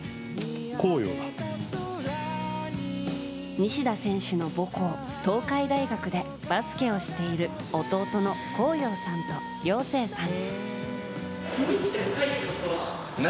西田選手の母校東海大学でバスケをしている弟の公陽さんと陽成さん。